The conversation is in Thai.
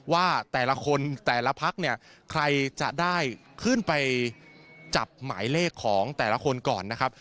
ว่าแต่ละคนแต่ละพักเนี่ยใครจะได้ขึ้นไปจับหมายเลขของแต่ละคนก่อนนะครับ